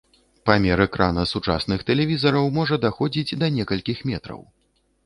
Памер экрана сучасных тэлевізараў можа даходзіць да некалькіх метраў.